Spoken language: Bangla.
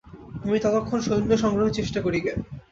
আমি ততক্ষণ সৈন্যসংগ্রহের চেষ্টা করিগে।